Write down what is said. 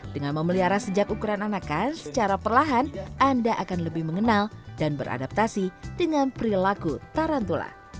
dengan memelihara sejak ukuran anakan secara perlahan anda akan lebih mengenal dan beradaptasi dengan perilaku tarantula